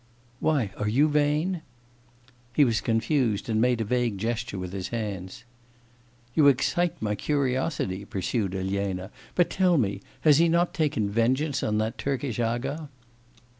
'Why, are you vain?' He was confused and made a vague gesture with his hands. 'You excite my curiosity,' pursued Elena. 'But tell me, has he not taken vengeance on that Turkish aga?